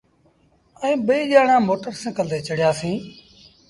ائيٚݩ ٻئيٚ ڄآڻآن موٽر سآئيٚڪل تي چڙهيآ سيٚݩ۔